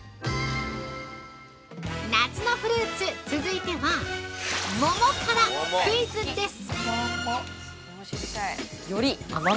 夏のフルーツ、続いては「桃」からクイズです！